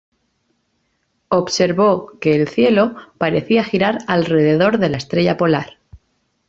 Observó que el cielo parecía girar alrededor de la estrella polar.